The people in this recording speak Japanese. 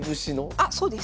あっそうです。